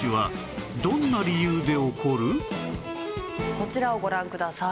こちらをご覧ください。